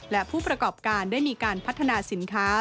และผู้ประกอบการได้มีการพัฒนาสินค้า